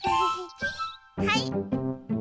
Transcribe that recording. はい。